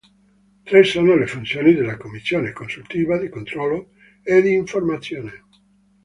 Tre sono le funzioni della Commissione: consultiva, di controllo e di informazione.